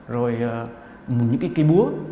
rồi những cái búa